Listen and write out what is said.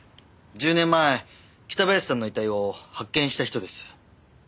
１０年前北林さんの遺体を発見した人です。